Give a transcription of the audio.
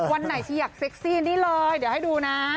วันไหนที่อยากเซ็กซี่นี่เลยเดี๋ยวให้ดูนะ